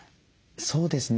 そうですね。